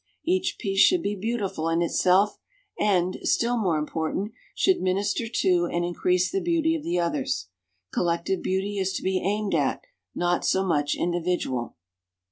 Each piece should be beautiful in itself, and, still more important, should minister to and increase the beauty of the others. Collective beauty is to be aimed at; not so much individual.